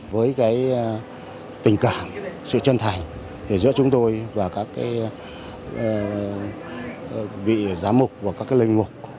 với tình cảm sự chân thành giữa chúng tôi và các vị giám mục và các linh mục